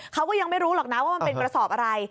เขาก็ยังไม่รู้หรอกนะว่ามันเป็นกระสอบอะไร